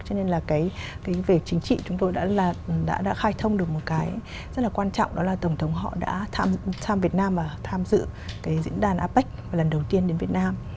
cho nên là cái về chính trị chúng tôi đã khai thông được một cái rất là quan trọng đó là tổng thống họ đã tham dự diễn đàn apec lần đầu tiên đến việt nam